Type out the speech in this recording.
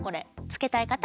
つけたい方？